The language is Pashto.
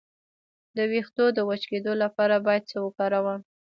د ویښتو د وچ کیدو لپاره باید څه وکاروم؟